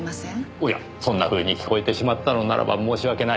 おやそんなふうに聞こえてしまったのならば申し訳ない。